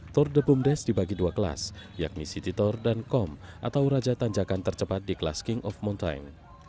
tour de bumdes dibagi dua kelas yakni city tour dan kom atau raja tanjakan tercepat di kelas king of mountain